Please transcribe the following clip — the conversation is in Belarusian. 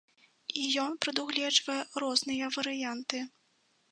І ён прадугледжвае розныя варыянты.